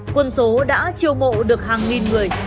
quân số đã triều mộ được hàng nghìn người